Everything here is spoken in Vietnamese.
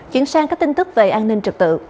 chuyển sang các tin tức về an ninh trật tự